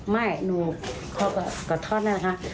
ไม่หนูขอโทษนะครับ